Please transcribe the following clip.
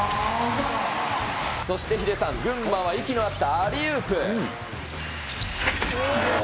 そしてヒデさん、群馬は息の合ったアリウープ。